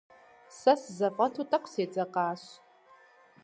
Сэ сызэфӏэту тӏэкӏу седзэкъащ.